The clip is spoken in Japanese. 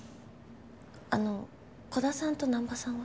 あの鼓田さんと南波さんは？